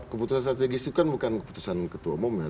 keputusan strategis itu kan bukan keputusan ketua umum ya